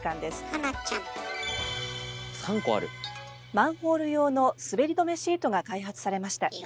マンホール用の滑り止めシートが開発されました。